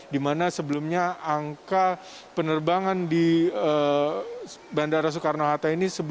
di mana sebelumnya angka penerbangan di bandara soekarno hatta ini